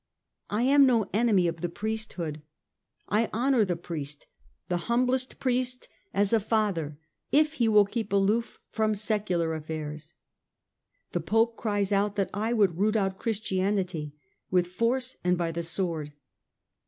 I am no enemy of the priesthood ; I honour the Priest, the humblest Priest, as a father, if he will keep aloof from secular affairs. The Pope cries out that I would root out Christianity, with force and by the sword.